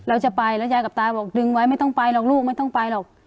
เราจะไปแล้วยายกับตาบอกดึงไว้ไม่ต้องไปหรอกลูกไม่ต้องไปหรอก